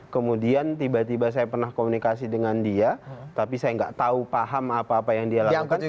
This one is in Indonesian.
kemudian tiba tiba saya pernah komunikasi dengan dia tapi saya nggak tahu paham apa apa yang dia lakukan